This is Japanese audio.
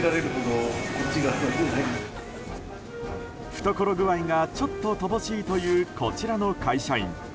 懐具合が、ちょっと乏しいというこちらの会社員。